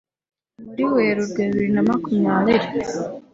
Muri Werurwe bibiri na makumyabiri